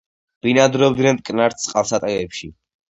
ბინადრობდნენ მტკნარ წყალსატევებში.